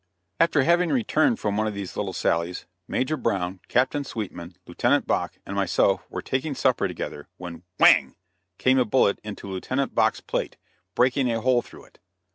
After having returned from one of these little sallies, Major Brown, Captain Sweetman, Lieutenant Bache and myself were taking supper together, when "whang!" came a bullet into Lieutenant Bache's plate, breaking a hole through it.